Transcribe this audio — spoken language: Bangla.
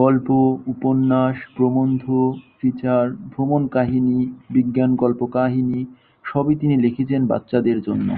গল্প, উপন্যাস, প্রবন্ধ, ফিচার, ভ্রমণকাহিনী, বিজ্ঞান কল্পকাহিনী সবই তিনি লিখেছেন বাচ্চাদের জন্য।